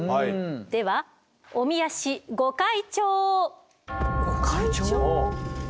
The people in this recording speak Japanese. ではおみ足御開帳？